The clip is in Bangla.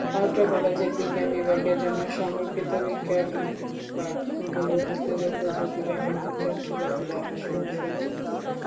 অত্র কলেজের বিজ্ঞান বিভাগের জন্য সংরক্ষিত বিজ্ঞানাগার গুলো যুগোপযোগী ব্যবহারিক যন্ত্রপাতি দ্বারা সুসজ্জিত।